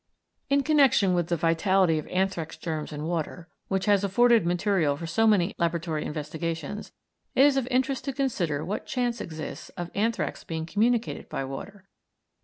In connection with the vitality of anthrax germs in water, which has afforded material for so many laboratory investigations, it is of interest to consider what chance exists of anthrax being communicated by water.